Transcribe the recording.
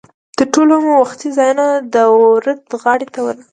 تر ټولو مو وختي ځانونه د ورد غاړې ته ورسو.